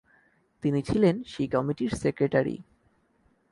তিনি ছিলেন সেই কমিটির সেক্রেটারি।